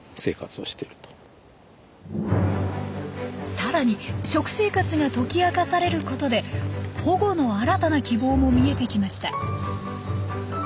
さらに食生活が解き明かされることで保護の新たな希望も見えてきました。